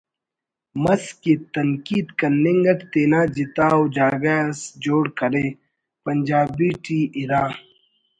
مس کہ تنقید کننگ اٹ تینا جتا ءُ جاگہ اس جوڑ کرے پنجابی ٹی اِرا